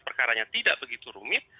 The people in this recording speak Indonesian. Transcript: perkaranya tidak begitu rumit